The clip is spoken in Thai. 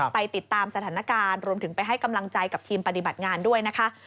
ไปติดตามสถานการณ์รวมถึงไปให้กำลังใจกับทีมปฏิบัติงานด้วยนะคะ